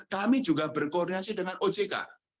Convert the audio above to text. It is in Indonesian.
kami juga berkoordinasi dengan ojk